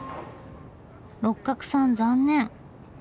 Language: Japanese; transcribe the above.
六角さん残念。